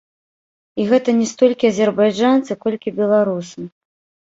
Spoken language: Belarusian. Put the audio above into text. І гэта не столькі азербайджанцы, колькі беларусы.